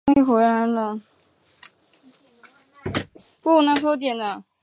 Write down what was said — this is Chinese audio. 合肥至新沂铁路位于安徽省东北部和江苏省北部。